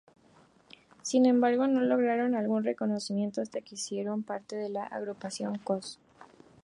Sin embargo, no lograron algún reconocimiento hasta que hicieron parte de la agrupación Coz.